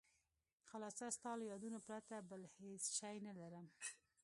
خلاصه ستا له یادونو پرته بل هېڅ شی نه لرم.